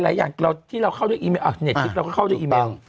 หลายอย่างที่เราเข้าด้วยอีเมลอ่ะเน็ตทิปเราก็เข้าด้วยอีเมล